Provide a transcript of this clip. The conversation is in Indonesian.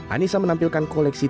anissa menampilkan koleksi terbaik